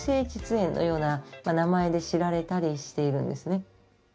炎のような名前で知られたりしているんですね。